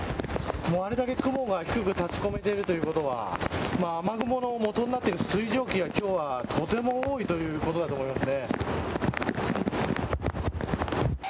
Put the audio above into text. あれだけ雲が低く立ち込めているということは雨雲の元になっている水蒸気はとても多いということだと思います。